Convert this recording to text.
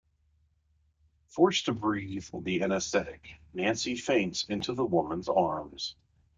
Forced to breathe the anesthetic, Nancy faints into the woman's arms.